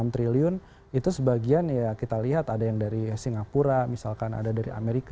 enam triliun itu sebagian ya kita lihat ada yang dari singapura misalkan ada dari amerika